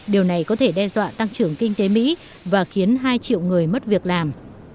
điều này có thể đe dọa tăng trưởng kinh tế mỹ và khiến hai triệu người mất việc làm